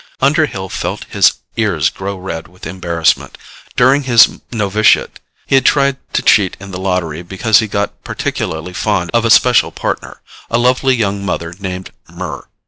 Underhill felt his ears grow red with embarrassment. During his novitiate, he had tried to cheat in the lottery because he got particularly fond of a special Partner, a lovely young mother named Murr.